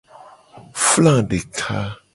Fla deka.